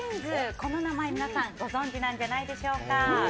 この名前、皆さんご存じじゃないでしょうか。